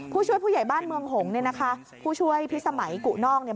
ผู้ช่วยผู้ใหญ่บ้านเมืองหงษ์ผู้ช่วยพิสมัยกุมาลอนทรัพย์